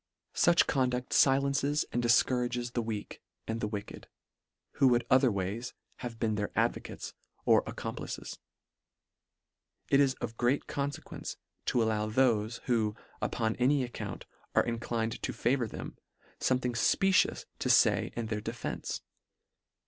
Such conducl filences and difcou rages the weak, and the wicked, who would otherways have been their advocates or ac complices. It is of great confequence, to allow thofe, who, upon any account, are in clined to favour them, fomething fpecious to fay in their defence.